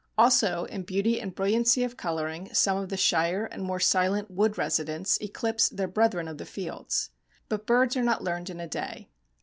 Also in beauty and brilliancy of coloring some of the shyer and more silent wood residents eclipse their brethren of the fields. But birds are not learned in a day.